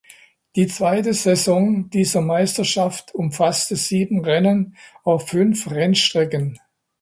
Die zweite Saison dieser Meisterschaft umfasste sieben Rennen auf fünf Rennstrecken.